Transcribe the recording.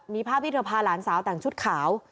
มีภาพที่เธอพาหลานสาวแต่งชุดขาว